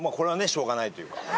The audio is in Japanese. しょうがないというか。